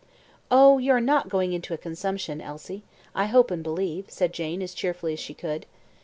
"Oh, you are not going into a consumption, Elsie, I hope and believe," said Jane, as cheerfully as she could.